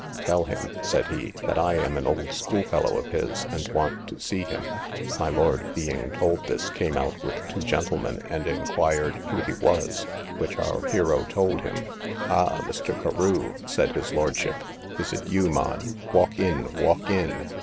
Tell him, said he, that I am an old school fellow of his, and want to see him. My lord, being told this, came out with two gentlemen, and inquired who he was; which our hero told him. Ha! Mr. Carew, said his lordship, is it you, mon? walk in, walk in.